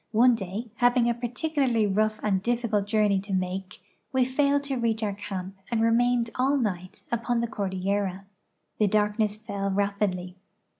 One day, having a particularly rough and difficult journe}' to make, we failed to reach our camp and remained all night upon the cordillera. The darkness fell rapidly.